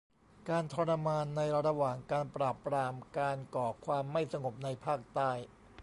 : การทรมานในระหว่างการปราบปรามการก่อความไม่สงบในภาคใต้